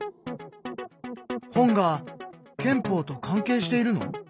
本が憲法と関係しているの？